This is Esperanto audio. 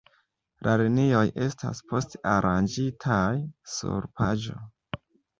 La linioj estas poste aranĝitaj sur paĝo.